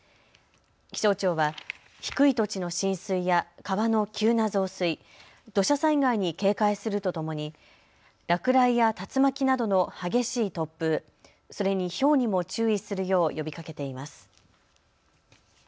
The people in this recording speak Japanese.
気象庁は低い土地の浸水や川の急な増水、土砂災害に警戒するとともに落雷や竜巻などの激しい突風、それに、ひょうにも注意するよう呼びかけています。